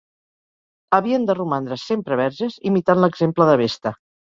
Havien de romandre sempre verges, imitant l'exemple de Vesta.